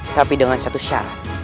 tapi dengan satu syarat